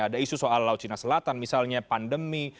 ada isu soal laut cina selatan misalnya pandemi